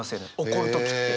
怒る時って。